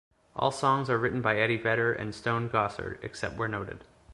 All songs are written by Eddie Vedder and Stone Gossard except where noted.